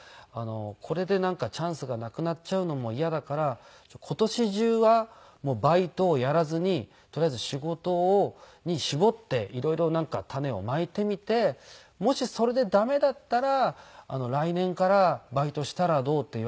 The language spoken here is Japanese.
「これでチャンスがなくなっちゃうのも嫌だから今年中はバイトをやらずにとりあえず仕事に絞って色々種をまいてみてもしそれで駄目だったら来年からバイトしたらどう？」って言われて。